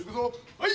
はい！